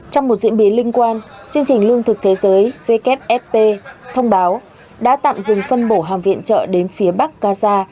trong một diễn biến liên quan chương trình lương thực thế giới wfp thông báo đã tạm dừng phân bổ hàng viện trợ đến phía bắc gaza